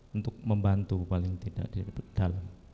untuk membantu paling tidak di dalam